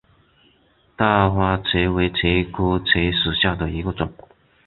大花茄为茄科茄属下的一个种。